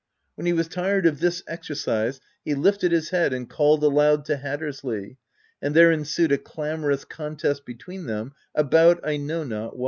When he was tired of this exercise he lifted his head and called aloud to Hattersley, and there ensued a clamorous contest between them about I know not what.